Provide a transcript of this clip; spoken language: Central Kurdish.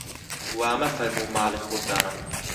وا مەفەرموو ماڵی خۆتانە